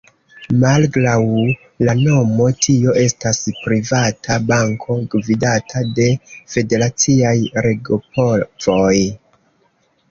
Malgraŭ la nomo tio estas privata banko gvidata de federaciaj regopovoj.